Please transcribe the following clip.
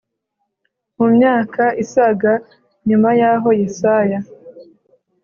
Mu myaka isaga nyuma y aho Yesaya